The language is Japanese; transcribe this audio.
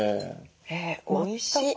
おいしい。